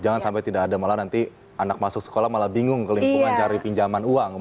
jangan sampai tidak ada malah nanti anak masuk sekolah malah bingung ke lingkungan cari pinjaman uang